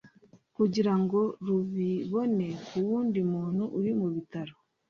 kugira ngo rubibone ku wundi muntu uri mubitaro